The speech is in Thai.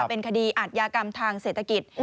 เป็นคดีอาทยากรรมทางเศรษฐกิจ